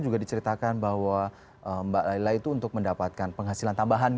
juga diceritakan bahwa mbak laila itu untuk mendapatkan penghasilan tambahan